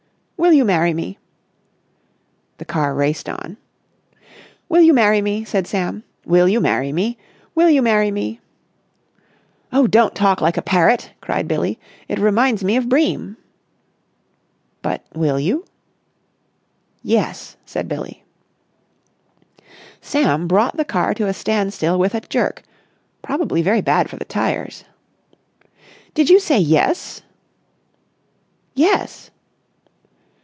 "Will you marry me?" The car raced on. "Will you marry me?" said Sam. "Will you marry me? Will you marry me?" "Oh, don't talk like a parrot," cried Billie. "It reminds me of Bream." "But will you?" "Yes," said Billie. Sam brought the car to a standstill with a jerk, probably very bad for the tyres. "Did you say 'yes'?" "Yes!"